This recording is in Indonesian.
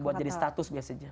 buat jadi status biasanya